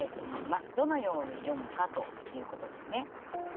どのように読むかということですね。